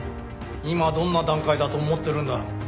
今どんな段階だと思ってるんだ。